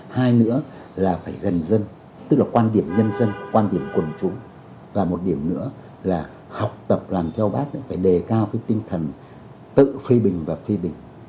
hai nữa là phải gần dân tức là quan điểm nhân dân quan điểm quần chúng và một điểm nữa là học tập làm theo bác phải đề cao cái tinh thần tự phê bình và phê bình